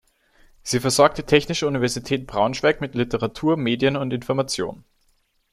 Sie versorgt die Technische Universität Braunschweig mit Literatur, Medien und Information.